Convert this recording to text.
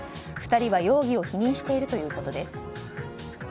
２人は容疑を否認しているということです。